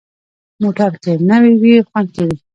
موټر که نوي وي، خوند کوي.